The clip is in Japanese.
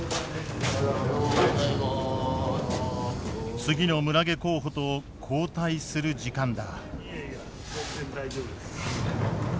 次の村下候補と交代する時間だ。